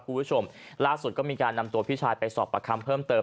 ผู้ชมล่าสุดก็มีการนำตัวที่สอบประคัมเพิ่มเติม